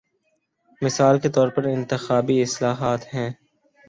مثال کے طور پر انتخابی اصلاحات ہیں۔